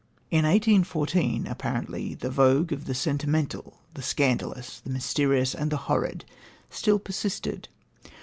In 1814, apparently, the vogue of the sentimental, the scandalous, the mysterious, and the horrid still persisted.